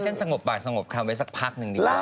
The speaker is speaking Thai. ฉันสงบปากสงบความไว้สักพักนึงดีกว่า